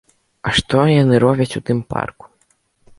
А што яны робяць у тым парку?